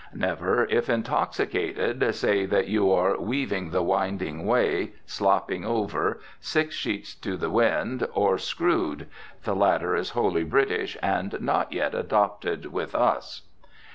Never, if intoxicated, say that you are "weaving the winding way," "slopping over," "six sheets in the wind," or "screwed." The latter is wholly British, and not yet adopted with us.